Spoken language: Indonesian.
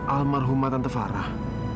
almarhumat tante farah